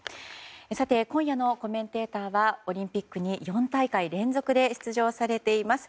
さて、今夜のコメンテーターはオリンピックに４大会連続で出場されています